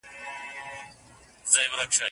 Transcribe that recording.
ګوندي نن یې د وصال زېری پر خوله سي